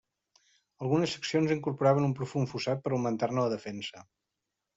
Algunes seccions incorporaven un profund fossat per augmentar-ne la defensa.